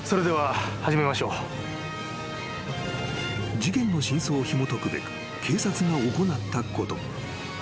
［事件の真相をひもとくべく警察が行ったこと］